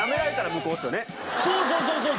そうそうそうそう！